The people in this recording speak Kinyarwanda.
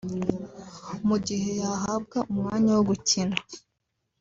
Mu gihe yahabwa umwanya wo gukina